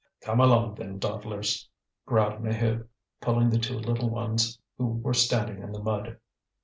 "Come along, then, dawdlers!" growled Maheude, pulling the two little ones, who were standing in the mud.